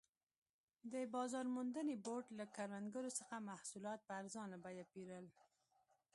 د بازار موندنې بورډ له کروندګرو څخه محصولات په ارزانه بیه پېرل.